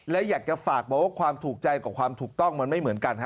และอยากจะฝากบอกว่าความถูกใจกับความถูกต้องมันไม่เหมือนกันฮะ